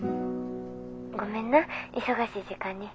ごめんな忙しい時間に。